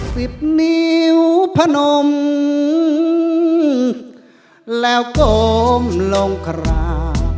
สิบนิ้วพนมแล้วก้มลงครา